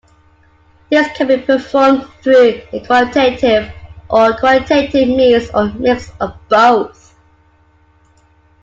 This can be performed through qualitative or quantitative means or a mix of both.